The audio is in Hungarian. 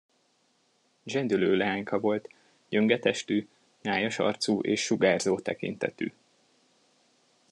Zsendülő leányka volt, gyönge testű, nyájas arcú és sugárzó tekintetű.